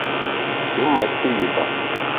Te ma té yuta.